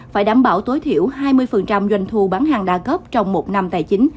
phải đảm bảo tối thiểu hai mươi doanh thu bán hàng đa cấp trong một năm tài chính